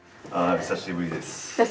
久しぶりです。